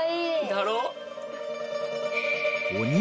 だろ？